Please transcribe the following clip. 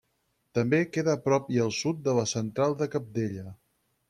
També queda a prop i al sud de la Central de Cabdella.